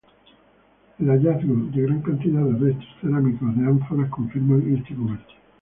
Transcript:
El hallazgo de gran cantidad de restos cerámicos de ánforas confirman este comercio.